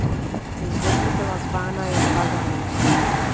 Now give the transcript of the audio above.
Původně byla zvána jen Lažany.